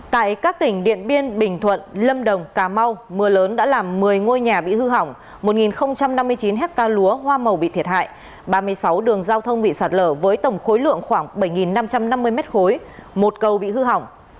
tại các tỉnh điện biên bình thuận lâm đồng cà mau mưa lớn đã làm một mươi ngôi nhà bị hư hỏng một năm mươi chín hectare lúa hoa màu bị thiệt hại ba mươi sáu đường giao thông bị sạt lở với tổng khối lượng khoảng bảy năm trăm năm mươi m ba một cầu bị hư hỏng